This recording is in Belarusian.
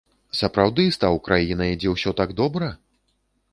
Сапраўды стаў краінай, дзе ўсё так добра?